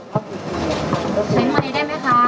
ใช้มันนี้ได้ไหมค่ะ